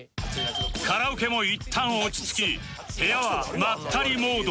カラオケもいったん落ち着き部屋はまったりモードに